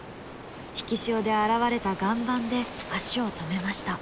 引き潮で現れた岩盤で足を止めました。